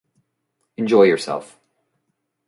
Enjoy yourself.